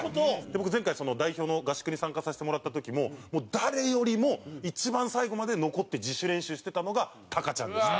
僕前回代表の合宿に参加させてもらった時も誰よりも一番最後まで残って自主練習してたのがタカちゃんでした。